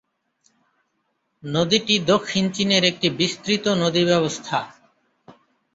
নদীটি দক্ষিণ চীনের একটি বিস্তৃত নদী ব্যবস্থা।